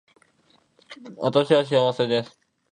私は幸せです